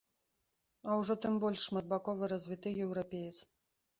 А ўжо тым больш шматбакова развіты еўрапеец!